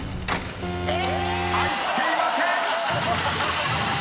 ［入っていません！］